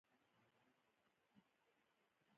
• دروغجن انسان هیڅوک نه خوښوي.